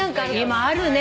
今あるね。